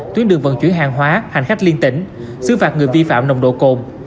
tuyến đường vận chuyển hàng hóa hành khách liên tỉnh xứ phạt người vi phạm nồng độ cồn